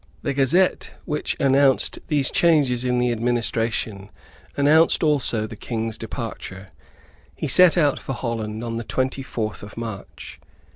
The Gazette which announced these changes in the administration, announced also the King's departure. He set out for Holland on the twenty fourth of March.